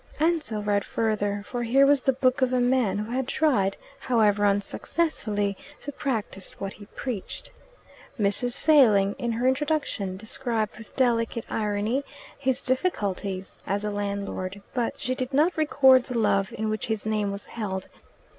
Ansell read further, for here was the book of a man who had tried, however unsuccessfully, to practice what he preached. Mrs. Failing, in her Introduction, described with delicate irony his difficulties as a landlord; but she did not record the love in which his name was held.